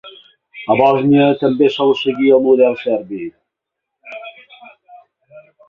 A Bòsnia també sol seguir el model serbi.